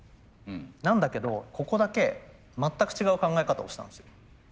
なんだけどここだけ全く違う考え方をしたんですよ。